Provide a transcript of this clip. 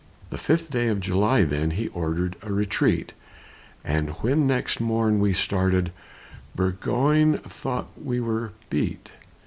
The fifth day of July, then, He ordered a retreat; And when next morn we started, Burgoyne thought we were beat.